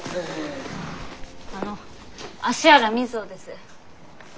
あの芦原瑞穂です。